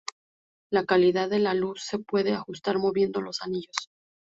La calidad de la luz se puede ajustar moviendo los anillos.